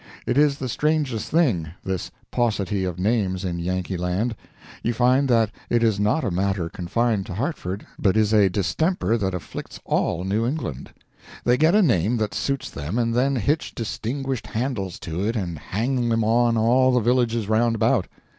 It is the strangest thing—this paucity of names in Yankee land. You find that it is not a matter confined to Hartford, but is a distemper that afflicts all New England. They get a name that suits them and then hitch distinguishing handles to it and hang them on all the villages round about.